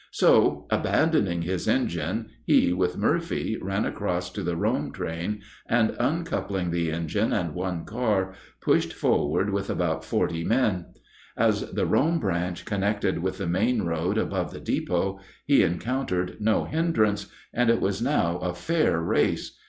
So, abandoning his engine, he with Murphy ran across to the Rome train, and, uncoupling the engine and one car, pushed forward with about forty armed men. As the Rome branch connected with the main road above the depot, he encountered no hindrance, and it was now a fair race.